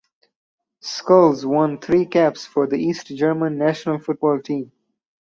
Schulz won three caps for the East German national football team.